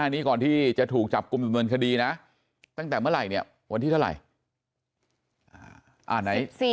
นี่ก่อนที่จะถูกจับกลุ่มดำเนินคดีนะตั้งแต่เมื่อไหร่เนี่ยวันที่เท่าไหร่